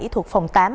thuộc phòng tám